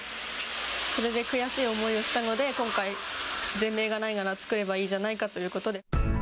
それで悔しい思いをしたので、今回、前例がないなら作ればいいじゃないかということで。